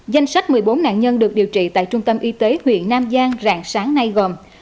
danh sách một mươi bốn nạn nhân được điều trị tại trung tâm y tế huyện nam giang rạng sáng nay gồm